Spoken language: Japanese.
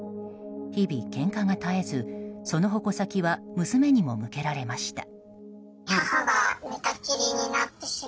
日々けんかが絶えず、その矛先は娘にも向けられました。